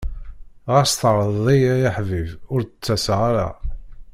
Ɣas tɛerḍeḍ-iyi ay aḥbib, ur d-ttaseɣ ara.